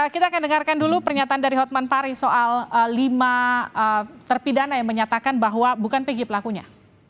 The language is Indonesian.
kita akan dengarkan dulu pernyataan dari hotman pari soal lima terpidana yang menyatakan bahwa bukan pegi pelakunya